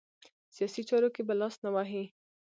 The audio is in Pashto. سیاسي چارو کې به لاس نه وهي.